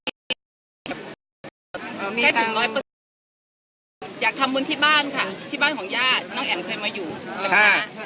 แค่ถึงร้อยอยากทำวุนที่บ้านค่ะที่บ้านของญาติน้องแอมเคยมาอยู่